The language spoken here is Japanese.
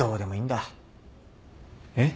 えっ？